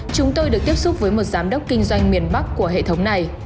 chúng tôi được tiếp xúc với một giám đốc kinh doanh miền bắc của hệ thống này